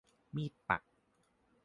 มีดปัก